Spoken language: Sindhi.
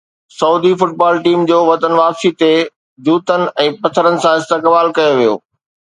سعودي فٽبال ٽيم جو وطن واپسي تي جوتن ۽ پٿرن سان استقبال ڪيو ويو